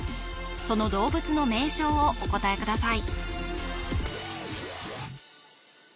その動物の名称をお答えください